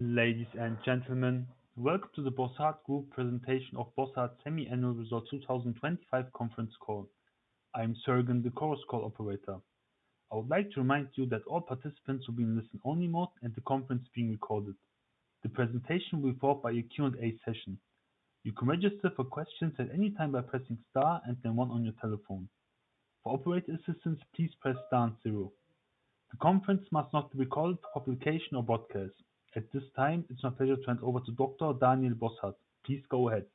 Ladies and gentlemen, welcome to the Bossard Group presentation of Bossard's Semi-Annual Result 2025 Conference Call. I am Sergeant, the Chorus Call operator. I would like to remind you that all participants will be in listen-only mode and the conference is being recorded. The presentation will be followed by a Q&A session. You can register for questions at any time by pressing star and then one on your telephone. For operator assistance, please press star and two. The conference must not be recorded for publication or broadcast. At this time, it's my pleasure to hand over to Dr. Daniel Bossard. Please go ahead.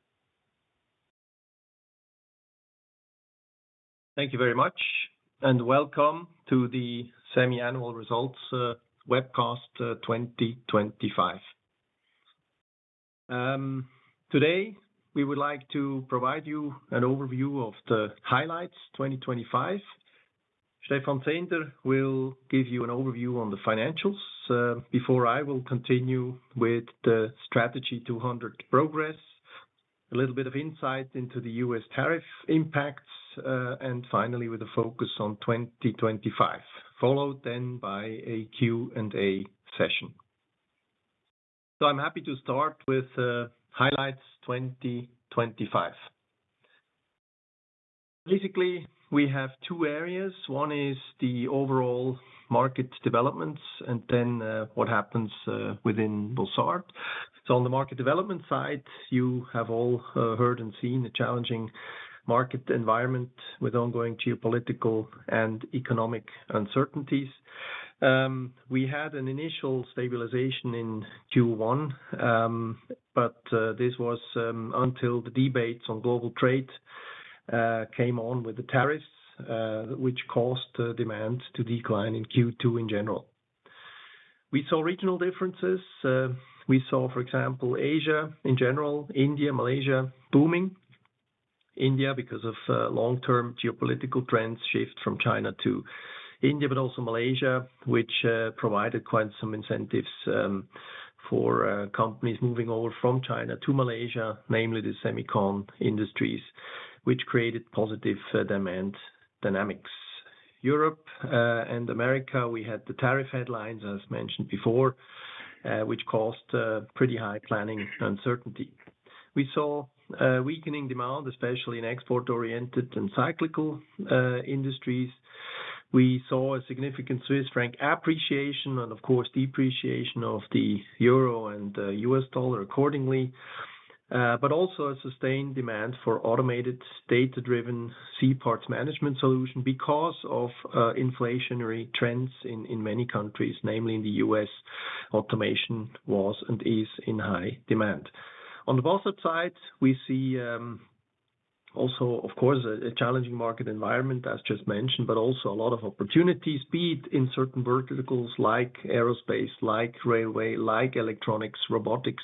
Thank you very much, and welcome to the Semi-Annual Results Webcast 2025. Today, we would like to provide you an overview of the highlights 2025. Stephan Zehnder will give you an overview on the financials before I will continue with the Strategy 200 progress, a little bit of insight into the U.S. tariff impacts, and finally with a focus on 2025, followed then by a Q&A session. I'm happy to start with the highlights 2025. Basically, we have two areas. One is the overall market developments and then what happens within Bossard. On the market development side, you have all heard and seen a challenging market environment with ongoing geopolitical and economic uncertainties. We had an initial stabilization in Q1, but this was until the debates on global trade came on with the tariffs, which caused demand to decline in Q2 in general. We saw regional differences. We saw, for example, Asia in general, India, Malaysia booming. India because of long-term geopolitical trends shift from China to India, but also Malaysia, which provided quite some incentives for companies moving over from China to Malaysia, namely the semiconductor industries, which created positive demand dynamics. Europe and America, we had the tariff headlines, as mentioned before, which caused pretty high planning uncertainty. We saw weakening demand, especially in export-oriented and cyclical industries. We saw a significant Swiss franc appreciation and, of course, depreciation of the euro and U.S. dollar accordingly, but also a sustained demand for automated data-driven C-parts management solution because of inflationary trends in many countries, namely in the U.S. Automation was and is in high demand. On the Bossard side, we see also, of course, a challenging market environment, as just mentioned, but also a lot of opportunities, speed in certain verticals like aerospace, like railway, like electronics, robotics,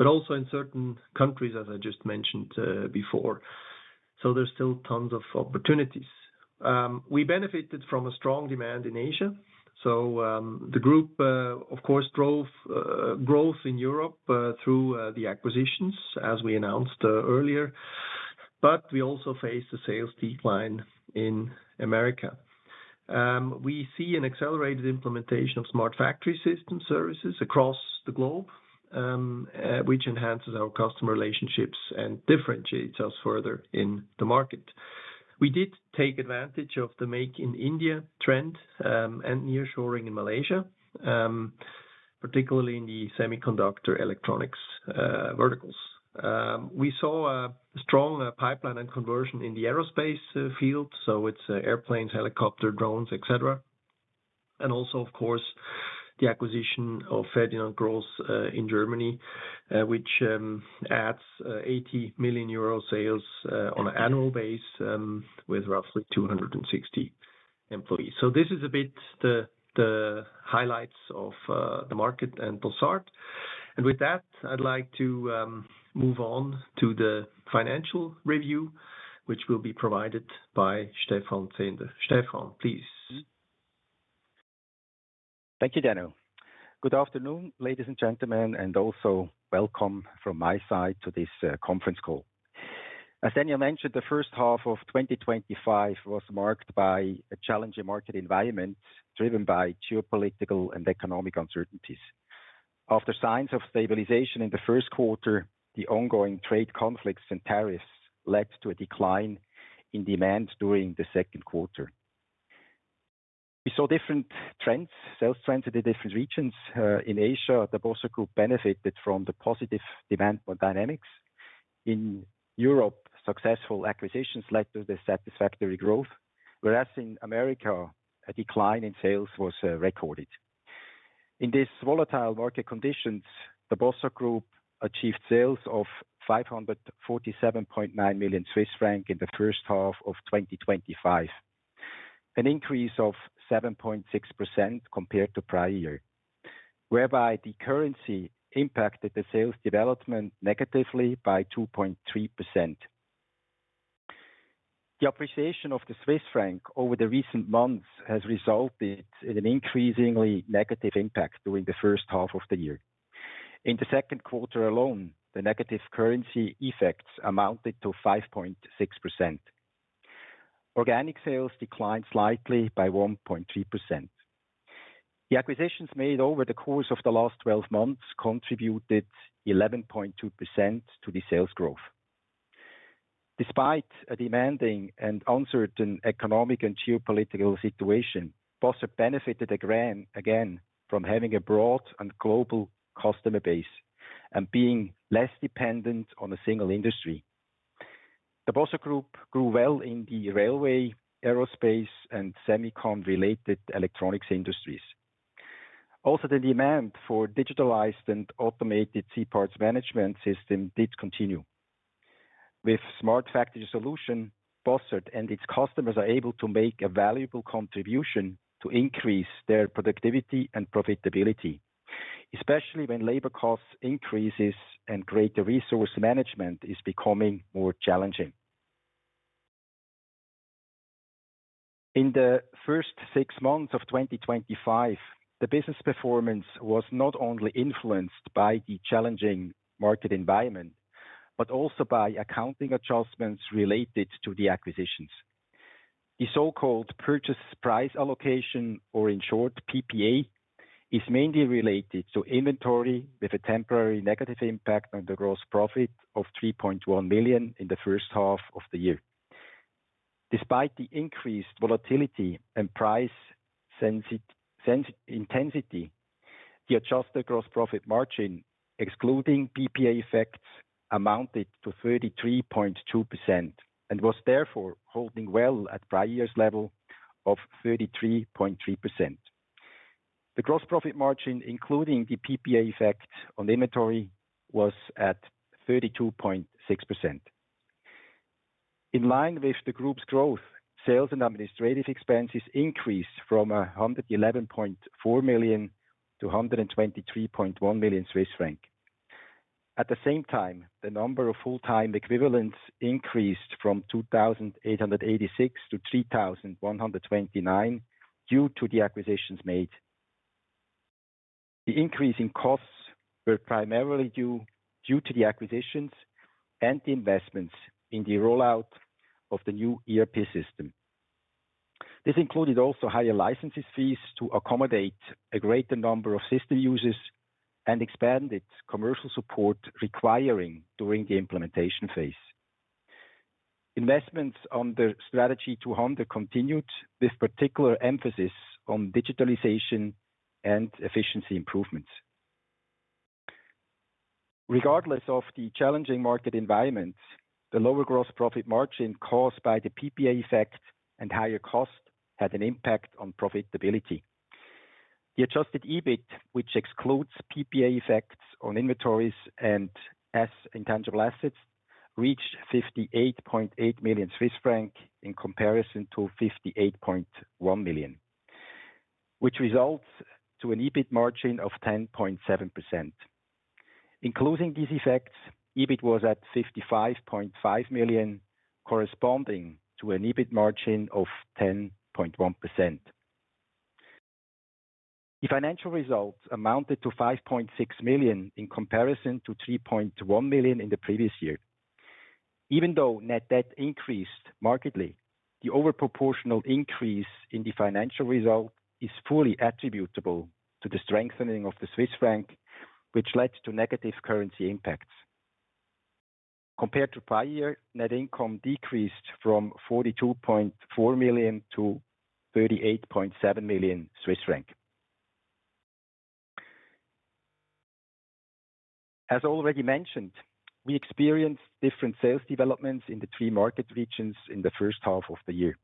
but also in certain countries, as I just mentioned before. There's still tons of opportunities. We benefited from a strong demand in Asia. The group, of course, drove growth in Europe through the acquisitions, as we announced earlier. We also faced a sales decline in America. We see an accelerated implementation of Smart Factory system services across the globe, which enhances our customer relationships and differentiates us further in the market. We did take advantage of the ''Make in India'' trend and nearshoring in Malaysia, particularly in the semiconductor electronics verticals. We saw a strong pipeline and conversion in the aerospace field, so it's airplanes, helicopters, drones, etc. Also, of course, the acquisition of Ferdinand Gross in Germany, which adds 80 million euro sales on an annual base with roughly 260 employees. This is a bit the highlights of the market and Bossard. With that, I'd like to move on to the financial review, which will be provided by Stephan Zehnder. Stephan, please. Thank you, Daniel. Good afternoon, ladies and gentlemen, and also welcome from my side to this conference call. As Daniel mentioned, the first half of 2025 was marked by a challenging market environment driven by geopolitical and economic uncertainties. After signs of stabilization in the first quarter, the ongoing trade conflicts and tariffs led to a decline in demand during the second quarter. We saw different trends, sales trends in different regions. In Asia, the Bossard Group benefited from the positive demand dynamics. In Europe, successful acquisitions led to the satisfactory growth, whereas in America, a decline in sales was recorded. In these volatile market conditions, the Bossard Group achieved sales of 547.9 million Swiss francs in the first half of 2025, an increase of 7.6% compared to prior year, whereby the currency impacted the sales development negatively by 2.3%. The appreciation of the Swiss franc over the recent months has resulted in an increasingly negative impact during the first half of the year. In the second quarter alone, the negative currency effects amounted to 5.6%. Organic sales declined slightly by 1.3%. The acquisitions made over the course of the last 12 months contributed 11.2% to the sales growth. Despite a demanding and uncertain economic and geopolitical situation, Bossard benefited again from having a broad and global customer base and being less dependent on a single industry. The Bossard Group grew well in the railway, aerospace, and semiconductor-related electronics industries. Also, the demand for digitalized and automated C-parts management systems did continue. With Smart Factory solutions, Bossard and its customers are able to make a valuable contribution to increase their productivity and profitability, especially when labor costs increase and greater resource management is becoming more challenging. In the first six months of 2025, the business performance was not only influenced by the challenging market environment, but also by accounting adjustments related to the acquisitions. The so-called purchase price allocation, or in short PPA, is mainly related to inventory with a temporary negative impact on the gross profit of 3.1 million in the first half of the year. Despite the increased volatility and price intensity, the adjusted gross profit margin, excluding PPA effects, amounted to 33.2% and was therefore holding well at prior year's level of 33.3%. The gross profit margin, including the PPA effect on inventory, was at 32.6%. In line with the group's growth, sales and administrative expenses increased from 111.4 million-123.1 million Swiss franc. At the same time, the number of full-time equivalents increased from 2,886-3,129 due to the acquisitions made. The increase in costs was primarily due to the acquisitions and the investments in the rollout of the new ERP system. This included also higher license fees to accommodate a greater number of system users and expanded commercial support required during the implementation phase. Investments under Strategy 200 continued with particular emphasis on digitalization and efficiency improvements. Regardless of the challenging market environment, the lower gross profit margin caused by the PPA effect and higher costs had an impact on profitability. The adjusted EBIT, which excludes PPA effects on inventories and intangible assets, reached 58.8 million Swiss franc in comparison to 58.1 million, which results in an EBIT margin of 10.7%. Including these effects, EBIT was at 55.5 million, corresponding to an EBIT margin of 10.1%. The financial results amounted to 5.6 million in comparison to 3.1 million in the previous year. Even though net debt increased markedly, the overproportional increase in the financial result is fully attributable to the strengthening of the Swiss franc, which led to negative currency impacts. Compared to prior year, net income decreased from 42.4 million-38.7 million Swiss franc. As already mentioned, we experienced different sales developments in the three market regions in the first half of the year.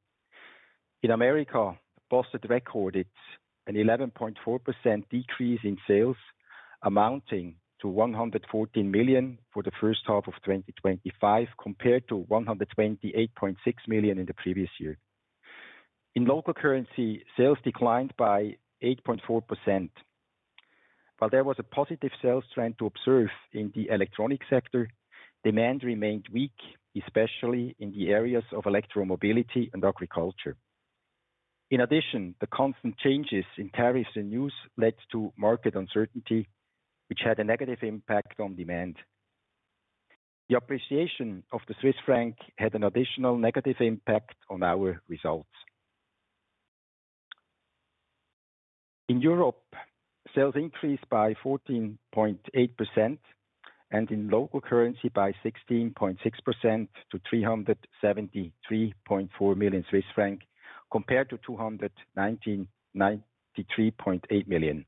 In America, Bossard recorded an 11.4% decrease in sales, amounting to 114 million for the first half of 2025, compared to 128.6 million in the previous year. In local currency, sales declined by 8.4%. While there was a positive sales trend to observe in the electronics sector, demand remained weak, especially in the areas of electromobility and agriculture. In addition, the constant changes in tariffs and news led to market uncertainty, which had a negative impact on demand. The appreciation of the Swiss franc had an additional negative impact on our results. In Europe, sales increased by 14.8% and in local currency by 16.6% to 373.4 million Swiss francs, compared to 293.8 million.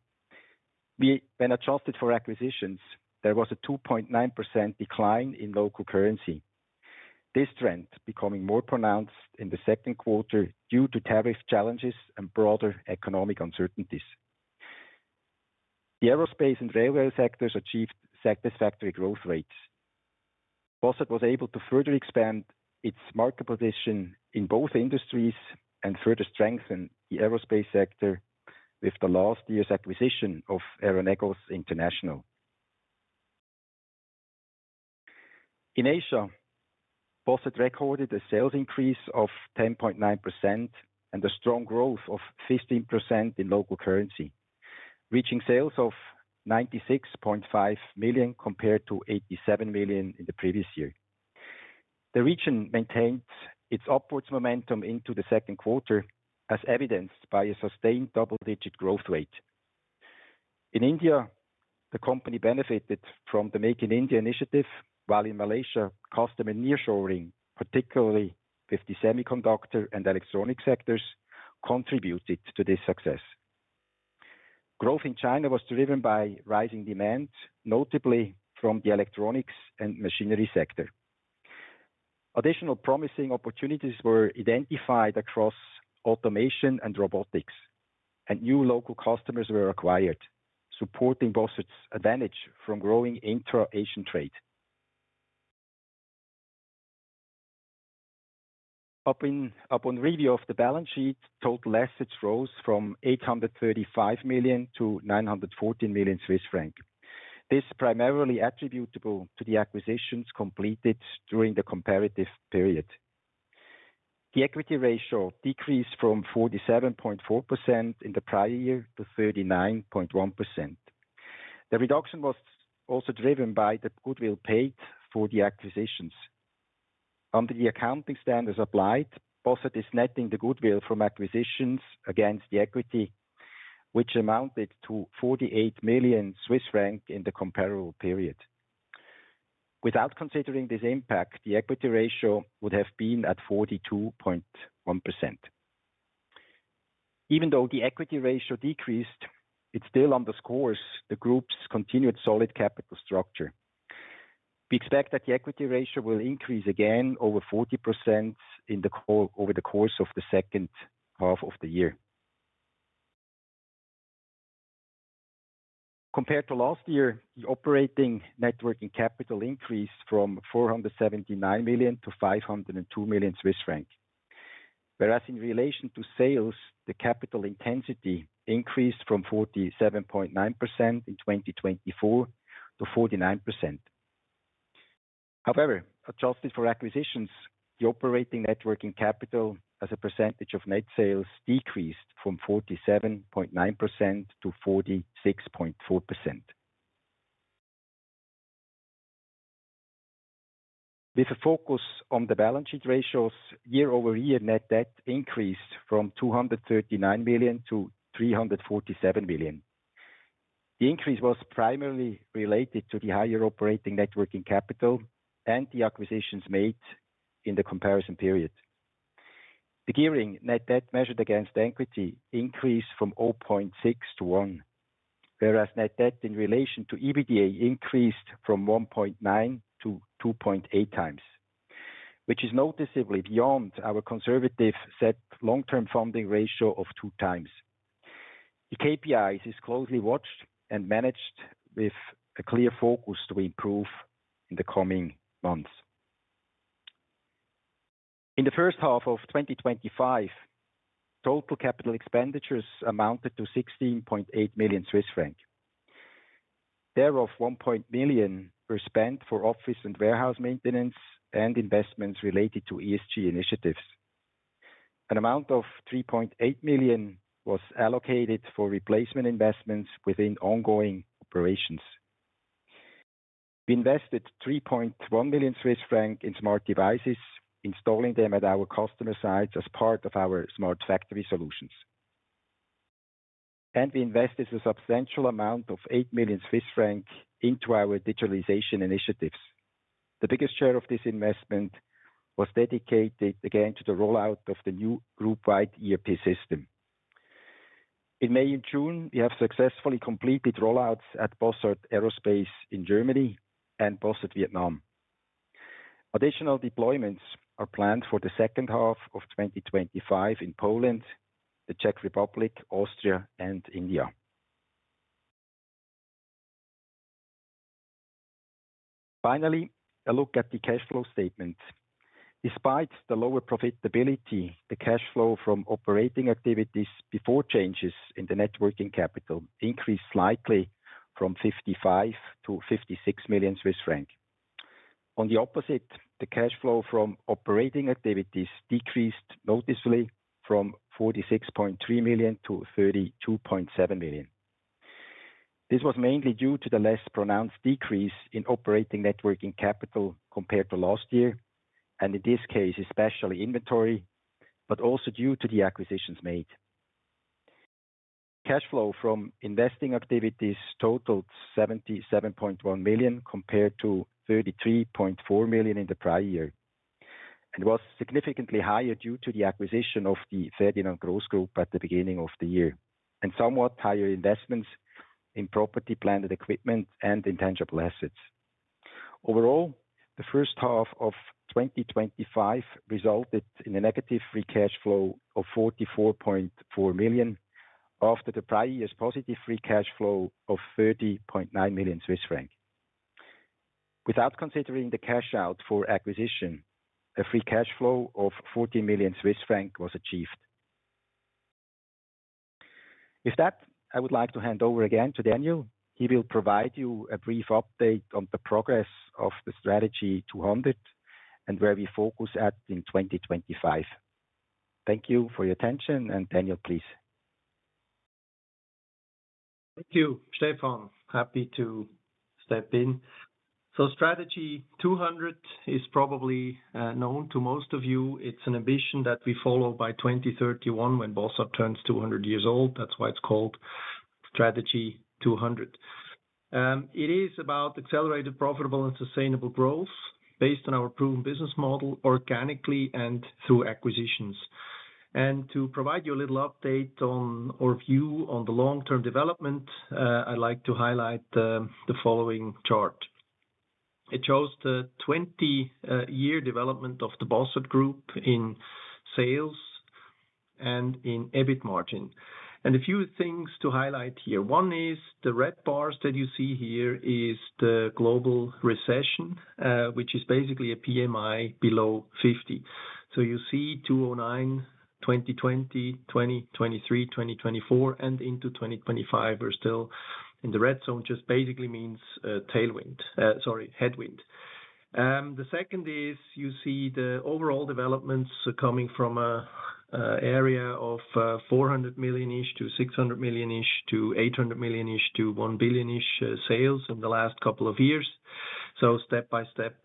When adjusted for acquisitions, there was a 2.9% decline in local currency. This trend is becoming more pronounced in the second quarter due to tariff challenges and broader economic uncertainties. The aerospace and railway sectors achieved satisfactory growth rates. Bossard was able to further expand its market position in both industries and further strengthen the aerospace sector with last year's acquisition of Aero Negoce International. In Asia, Bossard recorded a sales increase of 10.9% and a strong growth of 15% in local currency, reaching sales of 96.5 million compared to 87 million in the previous year. The region maintained its upwards momentum into the second quarter, as evidenced by a sustained double-digit growth rate. In India, the company benefited from the ''Make in India'' initiative, while in Malaysia, customer nearshoring, particularly with the semiconductor and electronics sectors, contributed to this success. Growth in China was driven by rising demand, notably from the electronics and machinery sector. Additional promising opportunities were identified across automation and robotics, and new local customers were acquired, supporting Bossard's advantage from growing intra-Asian trade. Upon review of the balance sheet, total assets rose from 835 million-914 million Swiss franc. This is primarily attributable to the acquisitions completed during the comparative period. The equity ratio decreased from 47.4% in the prior year to 39.1%. The reduction was also driven by the goodwill paid for the acquisitions. Under the accounting standards applied, Bossard is netting the goodwill from acquisitions against the equity, which amounted to 48 million Swiss francs in the comparable period. Without considering this impact, the equity ratio would have been at 42.1%. Even though the equity ratio decreased, it still underscores the group's continued solid capital structure. We expect that the equity ratio will increase again over 40% over the course of the second half of the year. Compared to last year, the operating networking capital increased from 479 million-502 million Swiss francs. Whereas in relation to sales, the capital intensity increased from 47.9% in 2024 to 49%. However, adjusted for acquisitions, the operating networking capital as a percentage of net sales decreased from 47.9%-46.4%. With a focus on the balance sheet ratios, year-over-year net debt increased from 239 million-347 million. The increase was primarily related to the higher operating networking capital and the acquisitions made in the comparison period. The gearing net debt measured against equity increased from 0.6-1, whereas net debt in relation to EBITDA increased from 1.9x-2.8x, which is noticeably beyond our conservative set long-term funding ratio of 2x. The KPIs are closely watched and managed with a clear focus to improve in the coming months. In the first half of 2025, total capital expenditures amounted to 16.8 million Swiss franc. Thereof, 1.8 million were spent for office and warehouse maintenance and investments related to ESG initiatives. An amount of 3.8 million was allocated for replacement investments within ongoing operations. We invested 3.1 million Swiss francs in smart devices, installing them at our customer sites as part of our Smart Factory solutions. We invested a substantial amount of 8 million Swiss francs into our digitalization initiatives. The biggest share of this investment was dedicated again to the rollout of the new group-wide ERP system. In May and June, we have successfully completed rollouts at Bossard Aerospace in Germany and Bossard Vietnam. Additional deployments are planned for the second half of 2025 in Poland, the Czech Republic, Austria, and India. Finally, a look at the cash flow statements. Despite the lower profitability, the cash flow from operating activities before changes in the networking capital increased slightly from 55 million-56 million Swiss francs. On the opposite, the cash flow from operating activities decreased from 46.3 million-32.7 million. This was mainly due to the less pronounced decrease in operating networking capital compared to last year, and in this case, especially inventory, but also due to the acquisitions made. Cash flow from investing activities totaled 77.1 million compared to 33.4 million in the prior year and was significantly higher due to the acquisition of the Ferdinand Gross Group at the beginning of the year and somewhat higher investments in property, plant, equipment, and intangible assets. Overall, the first half of 2025 resulted in a negative free cash flow of 44.4 million after the prior year's positive free cash flow of 30.9 million Swiss francs. Without considering the cash out for acquisition, a free cash flow of 14 million Swiss francs was achieved. With that, I would like to hand over again to Daniel. He will provide you a brief update on the progress of the Strategy 200 and where we focus at in 2025. Thank you for your attention, and Daniel, please. Thank you, Stephan. Happy to step in. Strategy 200 is probably known to most of you. It's an ambition that we follow by 2031 when Bossard turns 200 years old. That's why it's called Strategy 200. It is about accelerated, profitable, and sustainable growth based on our proven business model, organically and through acquisitions. To provide you a little update or view on the long-term development, I'd like to highlight the following chart. It shows the 20-year development of the Bossard Group in sales and in EBIT margin. A few things to highlight here. One is the red bars that you see here are the global recession, which is basically a PMI below 50. You see 2009, 2020, 2023, 2024, and into 2025 are still in the red zone, which basically means headwind. The second is you see the overall developments coming from an area of 400 million-ish- 600 million-ish-800 million-ish-CHF 1 billion-ish sales in the last couple of years. Step-by-step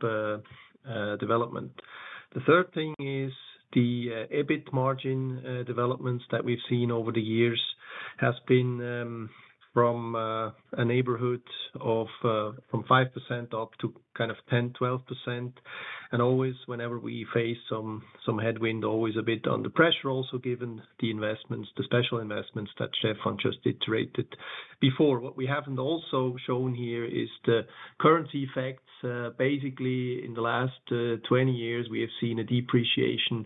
development. The third thing is the EBIT margin developments that we've seen over the years have been from a neighborhood of 5% up to kind of 10-12%. Always, whenever we face some headwind, always a bit under pressure, also given the investments, the special investments that Stephan just iterated before. What we haven't also shown here is the currency effects. In the last 20 years, we have seen a depreciation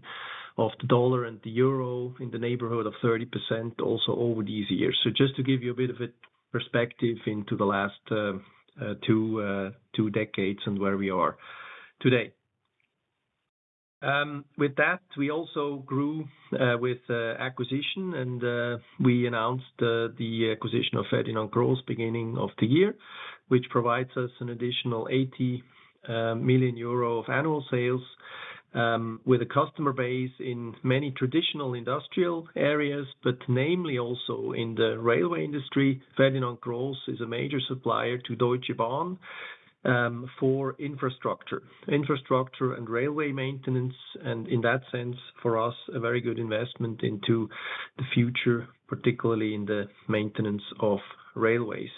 of the dollar and the euro in the neighborhood of 30% also over these years. Just to give you a bit of a perspective into the last two decades and where we are today. With that, we also grew with acquisition, and we announced the acquisition of Ferdinand Gross at the beginning of the year, which provides us an additional 80 million euro of annual sales with a customer base in many traditional industrial areas, but namely also in the railway industry. Ferdinand Gross is a major supplier to Deutsche Bahn for infrastructure and railway maintenance, and in that sense, for us, a very good investment into the future, particularly in the maintenance of railways.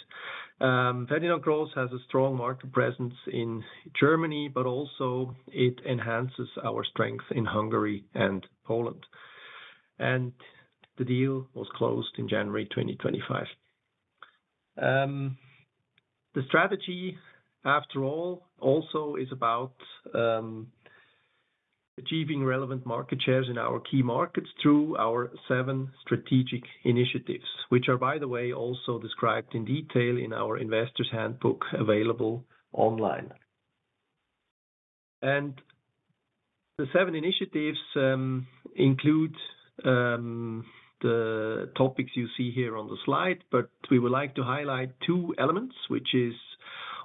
Ferdinand Gross has a strong market presence in Germany, but also it enhances our strength in Hungary and Poland. The deal was closed in January 2025. The strategy, after all, also is about achieving relevant market shares in our key markets through our seven strategic initiatives, which are, by the way, also described in detail in our investors' handbook available online. The seven initiatives include the topics you see here on the slide, but we would like to highlight two elements, which are,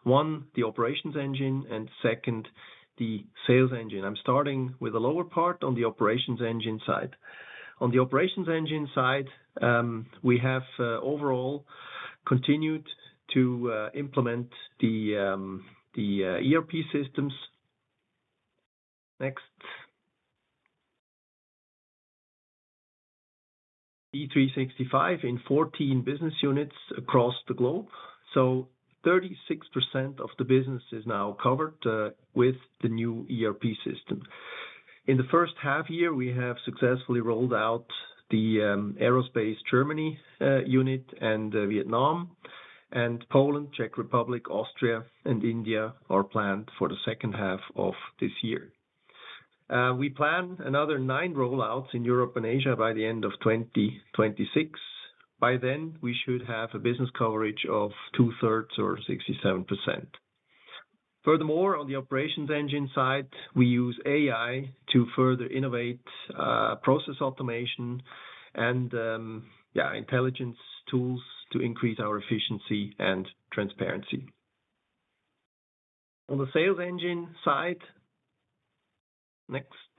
one, the operations engine, and, second, the sales engine. I'm starting with the lower part on the operations engine side. On the operations engine side, we have overall continued to implement the ERP system Next E365 in 14 business units across the globe. So 36% of the business is now covered with the new ERP system. In the first half year, we have successfully rolled out the aerospace Germany unit and Vietnam, and Poland, Czech Republic, Austria, and India are planned for the second half of this year. We plan another nine rollouts in Europe and Asia by the end of 2026. By then, we should have a business coverage of 2/3 or 67%. Furthermore, on the operations engine side, we use AI to further innovate process automation and intelligence tools to increase our efficiency and transparency. On the sales engine side, next,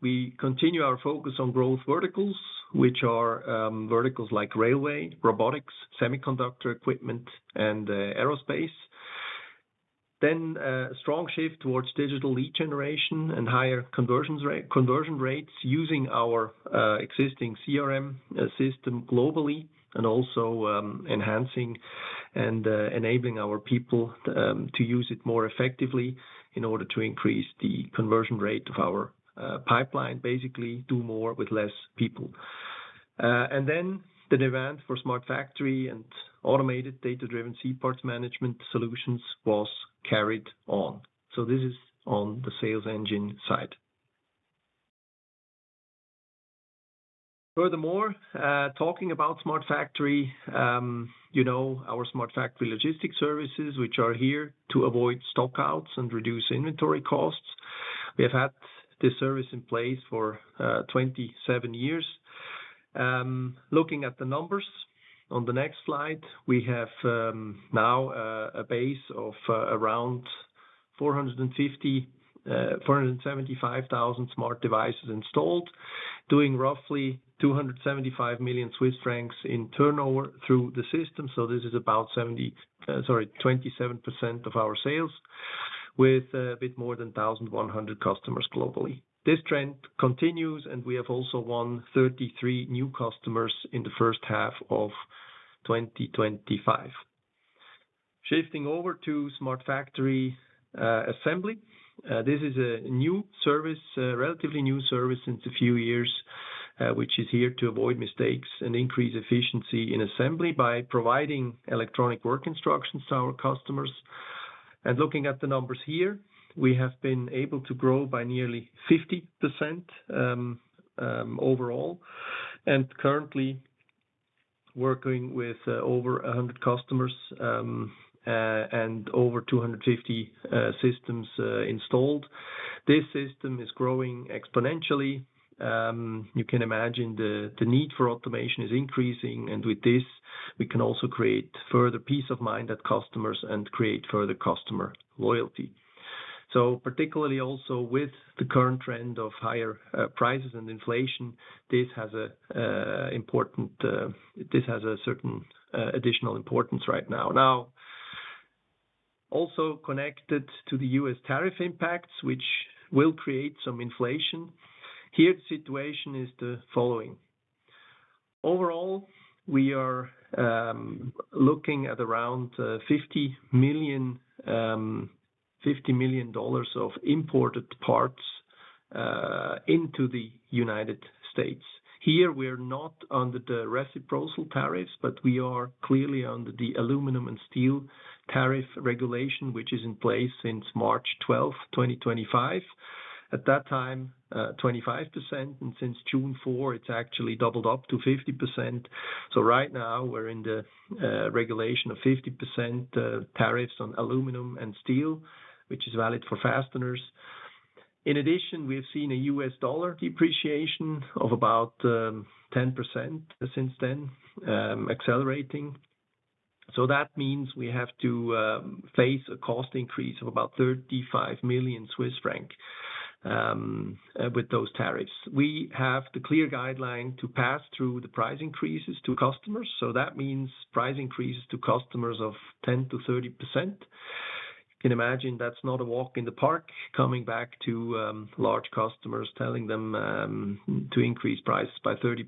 we continue our focus on growth verticals, which are verticals like railway, robotics, semiconductor equipment, and aerospace. There is a strong shift towards digital lead generation and higher conversion rates using our existing CRM system globally and also enhancing and enabling our people to use it more effectively in order to increase the conversion rate of our pipeline. Basically, do more with less people. The demand for Smart Factory and automated data-driven C-parts management solutions was carried on. This is on the sales engine side. Furthermore, talking about Smart Factory, you know our Smart Factory Logistics services, which are here to avoid stockouts and reduce inventory costs. We have had this service in place for 27 years. Looking at the numbers on the next slide, we have now a base of around 475,000 smart devices installed, doing roughly 275 million Swiss francs in turnover through the system. This is about 27% of our sales with a bit more than 1,100 customers globally. This trend continues, and we have also won 33 new customers in the first half of 2025. Shifting over to Smart Factory Assembly, this is a new service, a relatively new service since a few years, which is here to avoid mistakes and increase efficiency in assembly by providing electronic work instructions to our customers. Looking at the numbers here, we have been able to grow by nearly 50% overall and are currently working with over 100 customers and over 250 systems installed. This system is growing exponentially. You can imagine the need for automation is increasing, and with this, we can also create further peace of mind at customers and create further customer loyalty. Particularly also with the current trend of higher prices and inflation, this has a certain additional importance right now. Now, also connected to the U.S. tariff impacts, which will create some inflation, here the situation is the following. Overall, we are looking at around $50 million of imported parts into the United States. Here, we're not under the reciprocal tariffs, but we are clearly under the aluminum and steel tariff regulation, which is in place since March 12, 2025. At that time, 25%, and since June 4, it's actually doubled up to 50%. Right now, we're in the regulation of 50% tariffs on aluminum and steel, which is valid for fasteners. In addition, we've seen a U.S. dollar depreciation of about 10% since then, accelerating. That means we have to face a cost increase of about 35 million Swiss franc with those tariffs. We have the clear guideline to pass through the price increases to customers. That means price increases to customers of 10%-30%. You can imagine that's not a walk in the park. Coming back to large customers, telling them to increase prices by 30%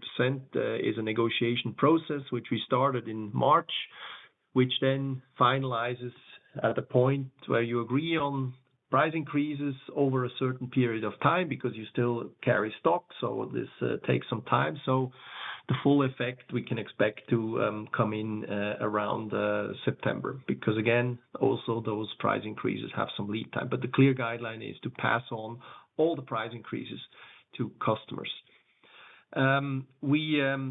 is a negotiation process, which we started in March, which then finalizes at the point where you agree on price increases over a certain period of time because you still carry stock. This takes some time. The full effect we can expect to come in around September because, again, also those price increases have some lead time. The clear guideline is to pass on all the price increases to customers. We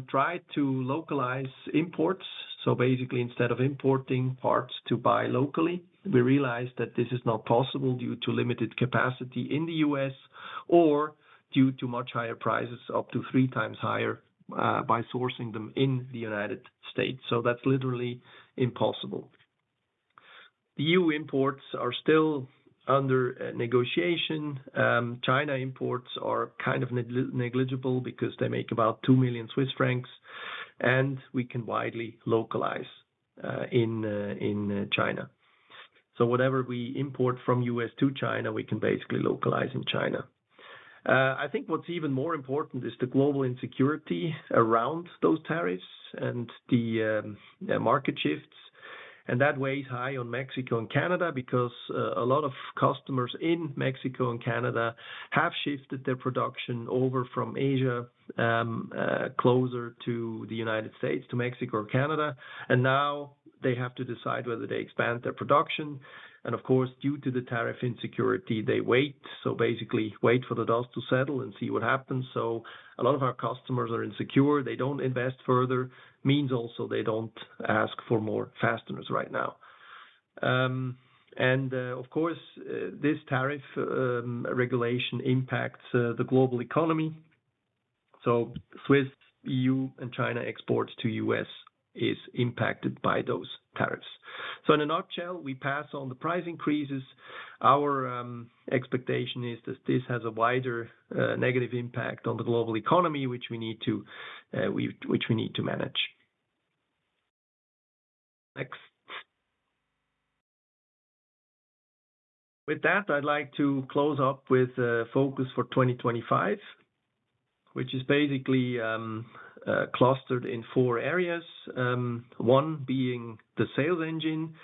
try to localize imports. Basically, instead of importing parts to buy locally, we realized that this is not possible due to limited capacity in the U.S. or due to much higher prices, up to three times higher by sourcing them in the United States. That's literally impossible. The EU imports are still under negotiation. China imports are kind of negligible because they make about 2 million Swiss francs, and we can widely localize in China. Whatever we import from the U.S. to China, we can basically localize in China. I think what's even more important is the global insecurity around those tariffs and the market shifts. That weighs high on Mexico and Canada because a lot of customers in Mexico and Canada have shifted their production over from Asia closer to the United States, to Mexico or Canada. Now they have to decide whether they expand their production. Due to the tariff insecurity, they wait. Basically, they wait for the dust to settle and see what happens. A lot of our customers are insecure. They don't invest further. It means also they don't ask for more fasteners right now. This tariff regulation impacts the global economy. Swiss, EU, and China exports to the U.S. are impacted by those tariffs. In a nutshell, we pass on the price increases. Our expectation is that this has a wider negative impact on the global economy, which we need to manage. With that, I'd like to close up with a focus for 2025, which is basically clustered in four areas, one being the sales engine.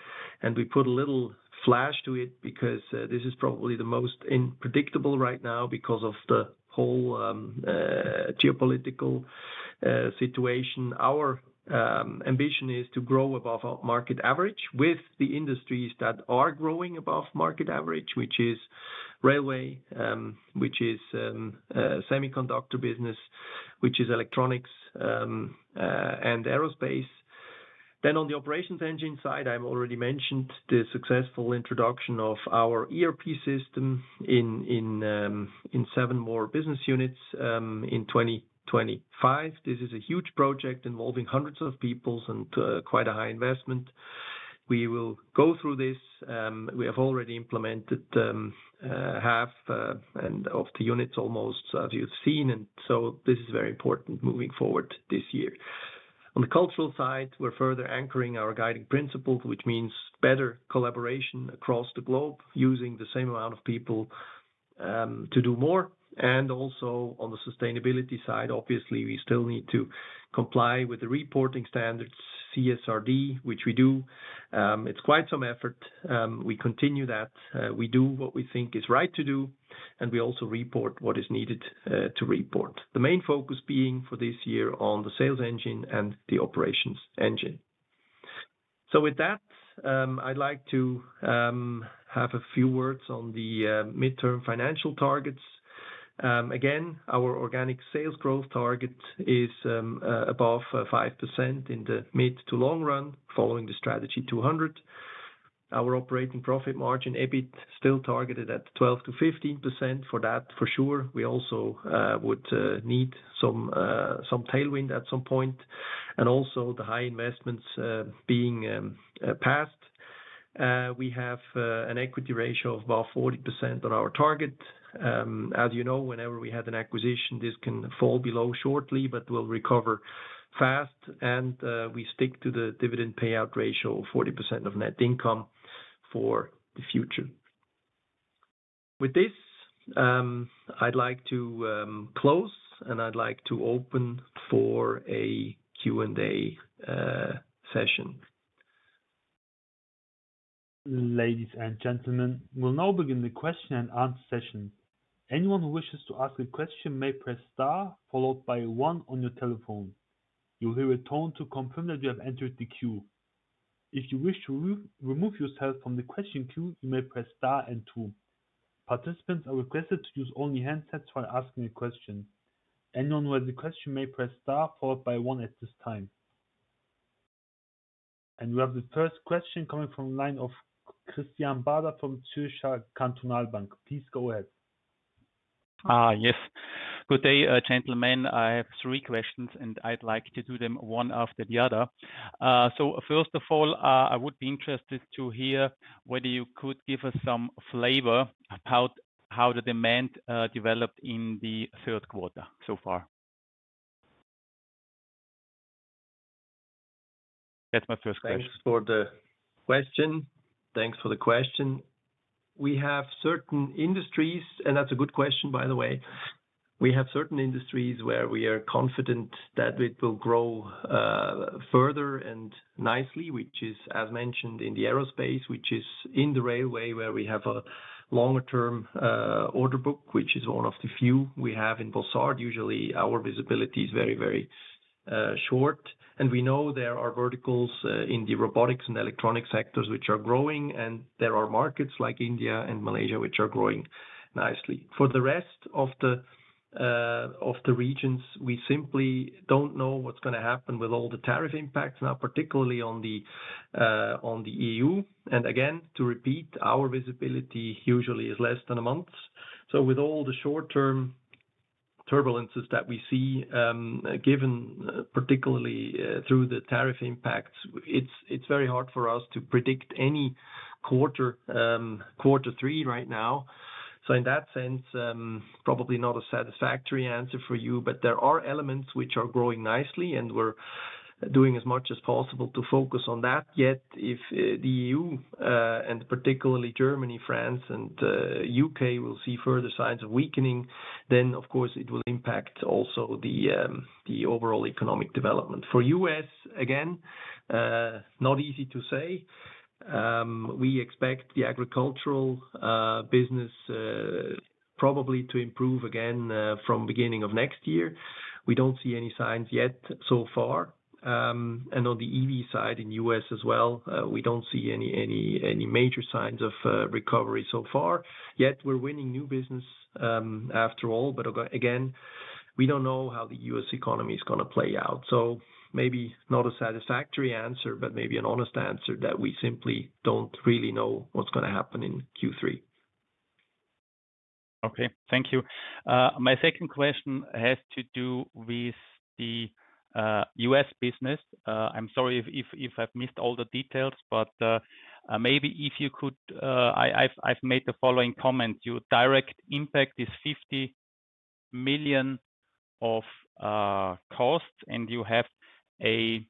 We put a little flash to it because this is probably the most unpredictable right now because of the whole geopolitical situation. Our ambition is to grow above market average with the industries that are growing above market average, which is railway, which is semiconductor business, which is electronics, and aerospace. On the operations engine side, I've already mentioned the successful introduction of our ERP system in seven more business units in 2025. This is a huge project involving hundreds of people and quite a high investment. We will go through this. We have already implemented half of the units almost, as you've seen. This is very important moving forward this year. On the cultural side, we're further anchoring our guiding principles, which means better collaboration across the globe using the same amount of people to do more. Also, on the sustainability side, obviously, we still need to comply with the reporting standards, CSRD, which we do. It's quite some effort. We continue that. We do what we think is right to do, and we also report what is needed to report. The main focus being for this year on the sales engine and the operations engine. With that, I'd like to have a few words on the midterm financial targets. Again, our organic sales growth target is above 5% in the mid to long run following the Strategy 200. Our operating profit margin, EBIT, is still targeted at 12%-15%. For that, for sure, we also would need some tailwind at some point. Also, the high investments being passed. We have an equity ratio of about 40% on our target. As you know, whenever we had an acquisition, this can fall below shortly, but we'll recover fast. We stick to the dividend payout ratio of 40% of net income for the future. With this, I'd like to close, and I'd like to open for a Q&A session. Ladies and gentlemen, we'll now begin the question-and-answer session. Anyone who wishes to ask a question may press star, followed by one on your telephone. You'll hear a tone to confirm that you have entered the queue. If you wish to remove yourself from the question queue, you may press star and two. Participants are requested to use only handsets while asking a question. Anyone who has a question may press star, followed by one at this time. We have the first question coming from the line of Christian Bader from Zürcher Kantonalbank. Please go ahead. Yes. Good day, gentlemen. I have three questions, and I'd like to do them one after the other. First of all, I would be interested to hear whether you could give us some flavor about how the demand developed in the third quarter so far. That's my first question. Thanks for the question. We have certain industries, and that's a good question, by the way. We have certain industries where we are confident that it will grow further and nicely, which is, as mentioned, in the aerospace, which is in the railway, where we have a longer-term order book, which is one of the few we have in Bossard. Usually, our visibility is very, very short. We know there are verticals in the robotics and electronics sectors which are growing, and there are markets like India and Malaysia which are growing nicely. For the rest of the regions, we simply don't know what's going to happen with all the tariff impacts now, particularly on the EU. Our visibility usually is less than a month. With all the short-term turbulences that we see, given particularly through the tariff impacts, it's very hard for us to predict any quarter three right now. In that sense, probably not a satisfactory answer for you, but there are elements which are growing nicely, and we're doing as much as possible to focus on that. Yet if the EU, and particularly Germany, France, and UK will see further signs of weakening, then of course it will impact also the overall economic development. For the U.S., again, not easy to say. We expect the agricultural business probably to improve again from the beginning of next year. We don't see any signs yet so far. On the EV side in the U.S. as well, we don't see any major signs of recovery so far. Yet we're winning new business after all, but again, we don't know how the U.S. economy is going to play out. Maybe not a satisfactory answer, but maybe an honest answer that we simply don't really know what's going to happen in Q3. Okay, thank you. My second question has to do with the U.S. business. I'm sorry if I've missed all the details, but maybe if you could, I've made the following comment. Your direct impact is $50 million of costs, and you have a,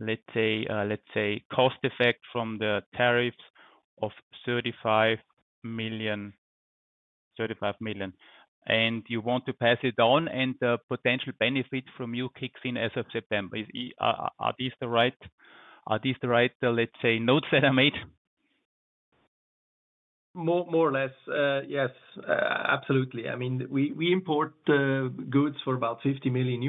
let's say, cost effect from the tariffs of $35 million. You want to pass it on, and the potential benefit from you kicks in as of September. Are these the right, let's say, notes that I made? More or less, yes, absolutely. I mean, we import goods for about $50 million.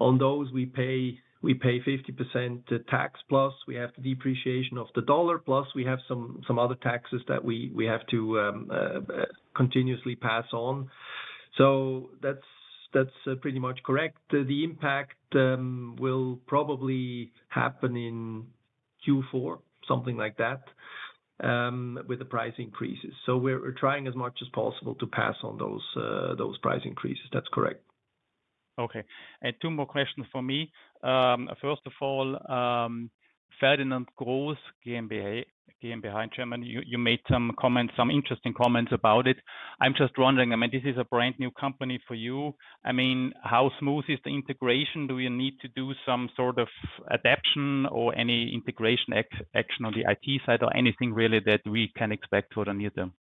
On those, we pay 50% tax, plus we have the depreciation of the dollar, plus we have some other taxes that we have to continuously pass on. That's pretty much correct. The impact will probably happen in Q4, something like that, with the price increases. We're trying as much as possible to pass on those price increases. That's correct. Okay. Two more questions for me. First of all, Ferdinand Gross GmbH in Germany, you made some comments, some interesting comments about it. I'm just wondering, I mean, this is a brand new company for you. How smooth is the integration? Do we need to do some sort of adaption or any integration action on the IT side or anything really that we can expect for the near term?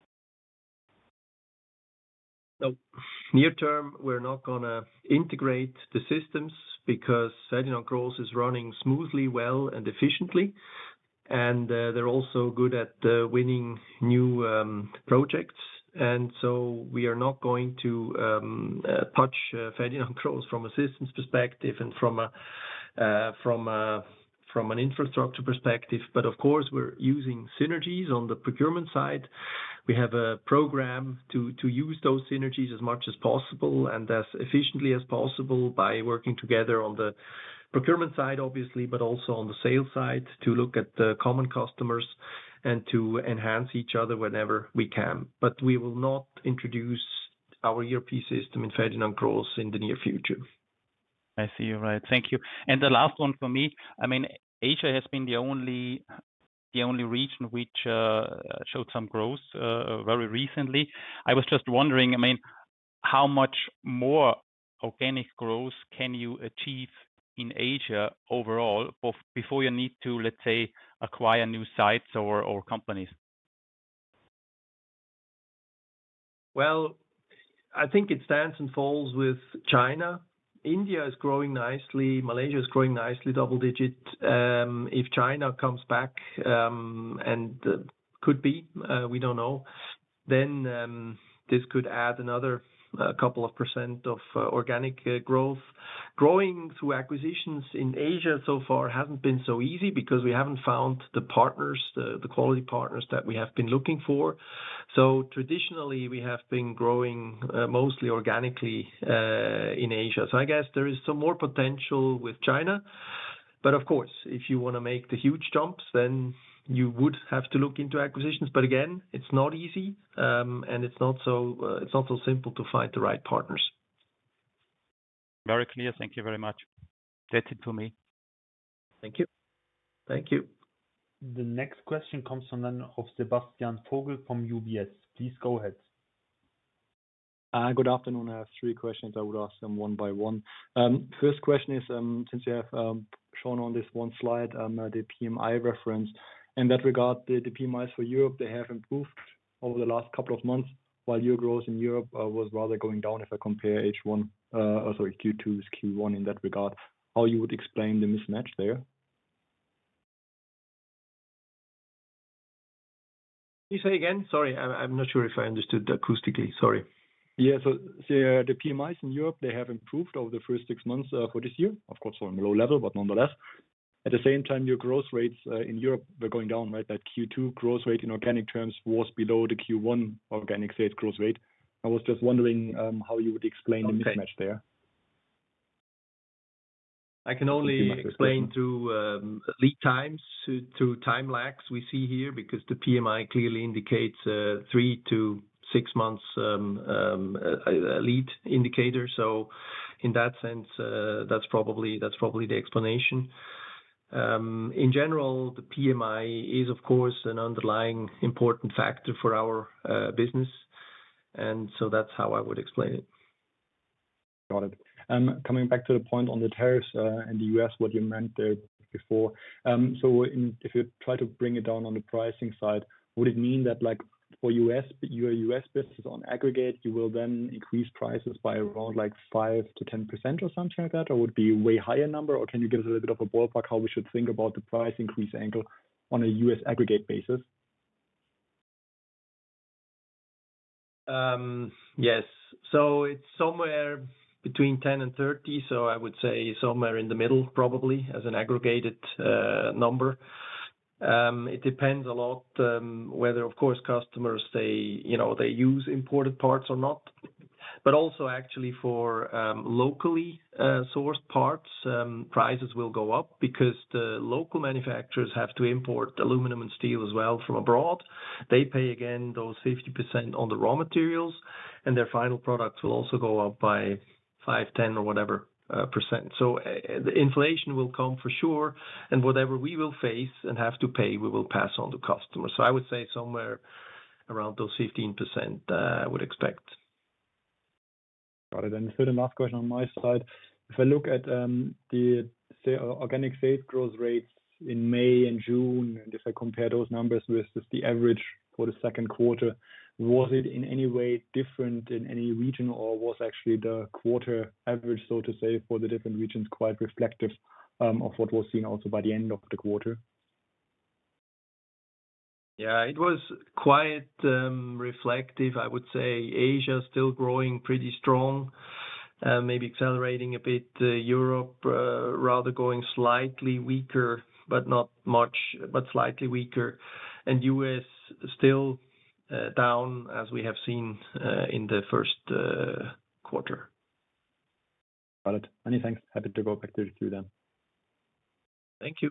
Near term, we're not going to integrate the systems because Ferdinand Gross is running smoothly, well, and efficiently. They're also good at winning new projects. We are not going to touch Ferdinand Gross from a systems perspective and from an infrastructure perspective. Of course, we're using synergies on the procurement side. We have a program to use those synergies as much as possible and as efficiently as possible by working together on the procurement side, obviously, but also on the sales side to look at the common customers and to enhance each other whenever we can. We will not introduce our ERP system in Ferdinand Gross in the near future. I see you right. Thank you. The last one for me. I mean, Asia has been the only region which showed some growth very recently. I was just wondering, I mean, how much more organic growth can you achieve in Asia overall before you need to, let's say, acquire new sites or companies? I think it stands and falls with China. India is growing nicely. Malaysia is growing nicely, double digit. If China comes back, and could be, we don't know, this could add another couple of percent of organic growth. Growing through acquisitions in Asia so far hasn't been so easy because we haven't found the partners, the quality partners that we have been looking for. Traditionally, we have been growing mostly organically in Asia. I guess there is some more potential with China. Of course, if you want to make the huge jumps, you would have to look into acquisitions. Again, it's not easy, and it's not so simple to find the right partners. Merry career. Thank you very much. That's it for me. Thank you. Thank you. The next question comes from Sebastian Vogel from UBS. Please go ahead. Good afternoon. I have three questions. I would ask them one by one. First question is, since you have shown on this one slide the PMI reference, in that regard, the PMIs for Europe, they have improved over the last couple of months, while your growth in Europe was rather going down if I compare H1, sorry, Q2 to Q1 in that regard. How you would explain the mismatch there? Can you say again? Sorry, I'm not sure if I understood acoustically. Sorry. Yeah, the PMIs in Europe have improved over the first six months for this year. Of course, on a low level, but nonetheless. At the same time, your growth rates in Europe were going down, right? That Q2 growth rate in organic terms was below the Q1 organic sales growth rate. I was just wondering how you would explain the mismatch there. I can only explain to lead times, to time lags we see here because the PMI clearly indicates three-six months lead indicators. In that sense, that's probably the explanation. In general, the PMI is, of course, an underlying important factor for our business. That's how I would explain it. Got it. Coming back to the point on the tariffs in the U.S., what you meant before. If you try to bring it down on the pricing side, would it mean that for your U.S. business on aggregate, you will then increase prices by around 5%-10% or something like that? Would it be a way higher number? Can you give us a little bit of a ballpark how we should think about the price increase angle on a U.S. aggregate basis? Yes. It's somewhere between 10%-30%. I would say somewhere in the middle, probably, as an aggregated number. It depends a lot whether, of course, customers use imported parts or not. Also, actually, for locally sourced parts, prices will go up because the local manufacturers have to import aluminum and steel as well from abroad. They pay again those 15% on the raw materials, and their final products will also go up by 5%, 10%, or whatever percent. The inflation will come for sure, and whatever we will face and have to pay, we will pass on to customers. I would say somewhere around those 15% I would expect. Got it. Here's a last question on my side. If I look at the organic sales growth rates in May and June, and if I compare those numbers with the average for the second quarter, was it in any way different in any region, or was actually the quarter average, so to say, for the different regions quite reflective of what was seen also by the end of the quarter? Yeah, it was quite reflective. I would say Asia is still growing pretty strong, maybe accelerating a bit. Europe rather going slightly weaker, not much, but slightly weaker. The U.S. is still down, as we have seen in the first quarter. Got it. Many thanks. Happy to go back to you then. Thank you.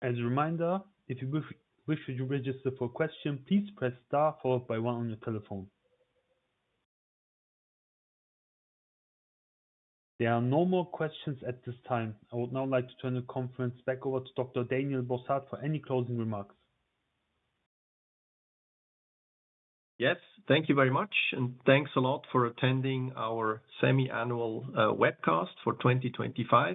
As a reminder, if you wish to register for questions, please press star followed by one on your telephone. There are no more questions at this time. I would now like to turn the conference back over to Dr. Daniel Bossard for any closing remarks. Yes, thank you very much, and thanks a lot for attending our semi-annual webcast for 2025.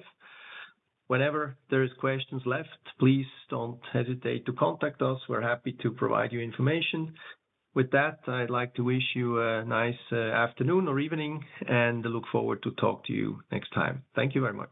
Whenever there are questions left, please don't hesitate to contact us. We're happy to provide you information. With that, I'd like to wish you a nice afternoon or evening and look forward to talking to you next time. Thank you very much.